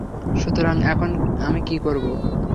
সুতরাং এখন আমি কি করব?